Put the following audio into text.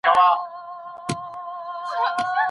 تاسو بايد د پوهي او علم په مرسته هېواد اباد کړئ.